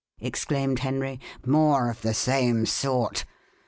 exclaimed Henry "more of the same sort.